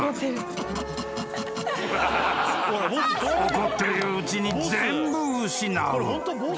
［怒っているうちに全部失う］